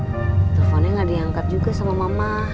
teleponnya gak diangkat juga sama mama